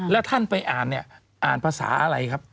แล้วท่านไปอ่านเนี่ยอ่านภาษาอะไรครับ